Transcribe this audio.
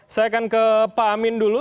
saya akan ke pak amin dulu